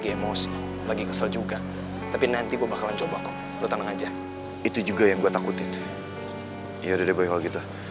apapun yang aku lakuin apapun yang aku ucapin buat kamu itu karena aku cinta sama kamu